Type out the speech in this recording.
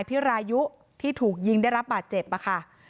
นายสาราวุธคนก่อเหตุอยู่ที่บ้านกับนางสาวสุกัญญาก็คือภรรยาเขาอะนะคะ